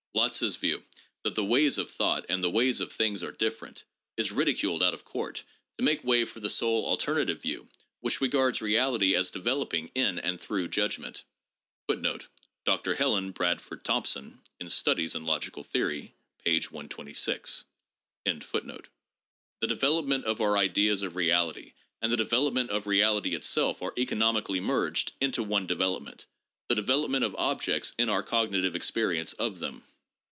Lotze's view that the ways of thought and the ways of things are different is ridiculed out of court to make way for the sole alternative " view which regards reality as developing in 1 All the italics are mine except the last. No. 3.] PURE EXPERIENCE AND REALITY. 27$ and through judgment." * The development of our ideas of reality and the development of reality itself are economically merged into one development, the development of objects in our cognitive experience of them.